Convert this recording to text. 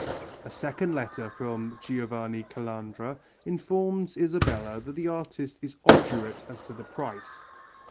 A second letter from Giovanni Calandra informs Isabella that the artist is obdurate as to the price.